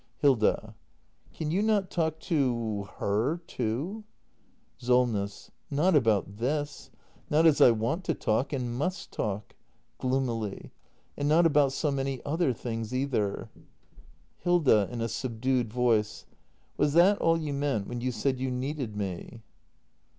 Hilda. Can you not talk to — h e r, too ? SOLNESS. Not about this. Not as I want to talk and must talk. [Gloomily.] And not about so many other things, either. Hilda. [In a subdued voice.] Was that all you meant when you said you needed me?